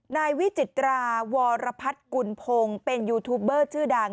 นายวิจิตราวรพัฒน์กุลพงศ์เป็นยูทูบเบอร์ชื่อดัง